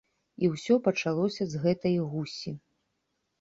І ўсё пачалося з гэтай гусі.